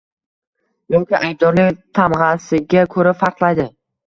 yoki aybdorlik tamg‘asiga ko‘ra farqlaydi